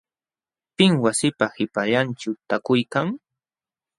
¿Pim wasiipa qipallanćhu taakuykan.?